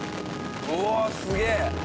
うわすげえ！